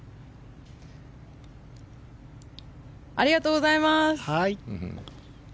ありがとうございます！